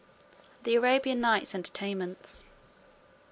The Arabian Nights Entertainments.